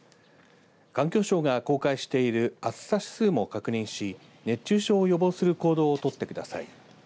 環境省が公開している暑さ指数も確認し熱中症を予防する行動を取ってください。